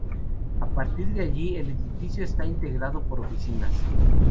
A partir de allí, el edificio está integrado por oficinas.